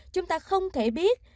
chúng ta không thể biết